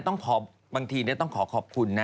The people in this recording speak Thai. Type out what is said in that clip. ต้องขอบางทีต้องขอขอบคุณนะ